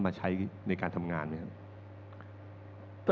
มาใช้ในการทำงานไหมครับ